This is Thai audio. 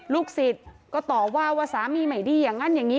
ลูกศิษย์ก็ต่อว่าว่าสามีใหม่ดีอย่างนั้นอย่างนี้